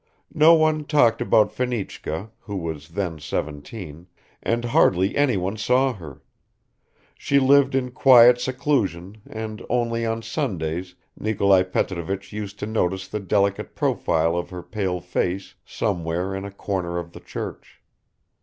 No one talked about Fenichka, who was then seventeen, and hardly anyone saw her; she lived in quiet seclusion and only on Sundays Nikolai Petrovich used to notice the delicate profile of her pale face somewhere in a corner of the church.